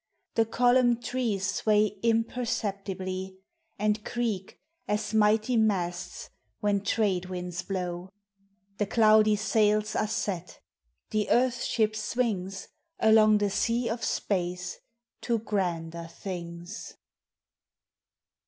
237 5The columned trees sway imperceptibly, And creak as mighty masts when trade winds blow. The cloudy sails are set; the earth ship swings Along the sea of space to grander tilings.